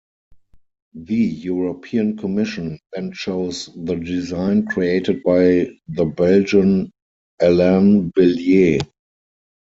The European Commission then chose the design created by the Belgian Alain Billiet.